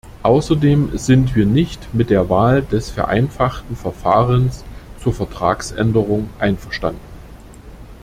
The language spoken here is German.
Außerdem sind wir nicht mit der Wahl des vereinfachten Verfahrens zur Vertragsänderung einverstanden.